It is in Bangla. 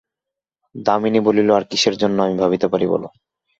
দামিনী বলিল, আর কিসের জন্য আমি ভাবিতে পারি বলো।